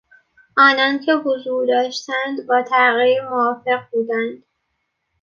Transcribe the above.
آنان که حضور داشتند با تغییر موافق بودند.